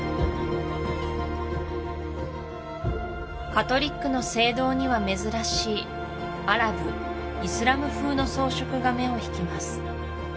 カトリックの聖堂には珍しいアラブイスラム風の装飾が目を引きます